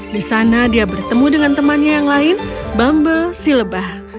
di sana dia bertemu dengan temannya yang lain bumble silebah